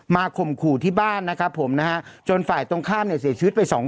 ข่มขู่ที่บ้านนะครับผมนะฮะจนฝ่ายตรงข้ามเนี่ยเสียชีวิตไปสองคน